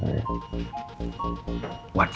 oh pen saturn